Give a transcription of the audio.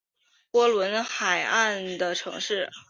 波罗的海沿岸城市。